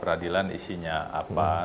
peradilan isinya apa